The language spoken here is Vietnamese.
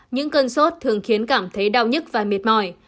những cân sốt thường khiến cảm thấy đau nhức và miệt mỏi